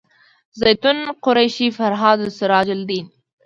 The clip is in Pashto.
زیتونه قریشي فرهاد سراج الدین